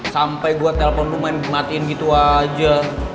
sampai gue telepon lumayan dimatiin gitu aja